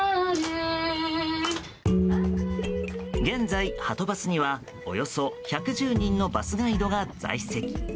現在、はとバスにはおよそ１１０人のバスガイドが在籍。